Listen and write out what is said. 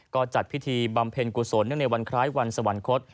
ก็จัดพิธีบำเพ็ญกุศลเนื่องในวันคล้ายวันสวรรคต